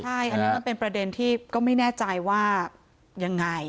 ใช่อันนี้มันเป็นประเด็นที่ก็ไม่แน่ใจว่ายังไง